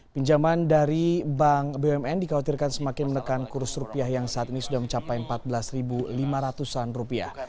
pinjaman dari bank bumn dikhawatirkan semakin menekan kurs rupiah yang saat ini sudah mencapai empat belas lima ratus an rupiah